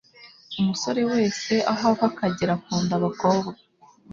umusore wese aho ava akagera akunda abakobwa